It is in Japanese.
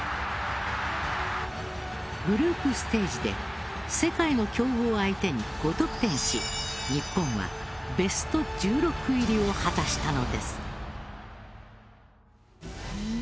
グループステージで世界の強豪相手に５得点し日本はベスト１６入りを果たしたのです。